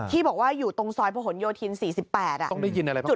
ที่บอกว่าอยู่ตรงซอยโผนโยทินสี่สิบแปดอ่ะต้องได้ยินอะไรบ้างไหม